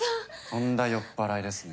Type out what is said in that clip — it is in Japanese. とんだ酔っ払いですね。